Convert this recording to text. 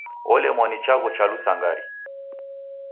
Olemwa ni chaghu cha lusangari.